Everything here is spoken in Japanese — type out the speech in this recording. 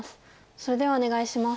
それではお願いします。